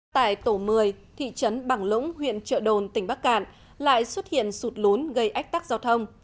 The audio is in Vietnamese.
tại tổ một mươi thị trấn bằng lũng huyện trợ đồn tỉnh bắc cạn lại xuất hiện sụt lún gây ách tắc giao thông